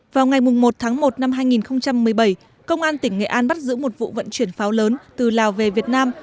vào ngày một tháng một năm hai nghìn một mươi bảy công an tỉnh nghệ an bắt giữ một vụ vận chuyển pháo lớn từ lào về việt nam